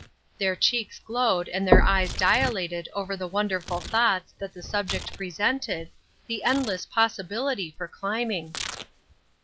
Their cheeks glowed, and their eyes dilated over the wonderful thoughts that the subject presented, the endless possibility for climbing!